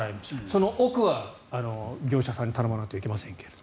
その奥は業者さんに頼まないといけませんが。